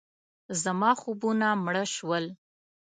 زما خوبونه مړه شول.